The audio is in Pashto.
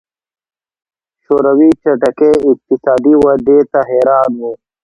د شوروي چټکې اقتصادي ودې ته حیران وو